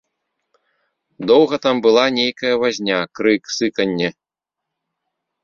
Доўга там была нейкая вазня, крык, сыканне.